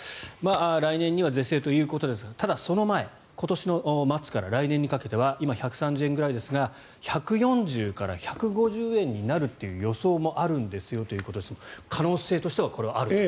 来年には是正ということですがただ、その前今年末から来年にかけては今、１３０円ぐらいですが１４０円から１５０円になるという予想もあるんですよということですが可能性としてはこれはあると？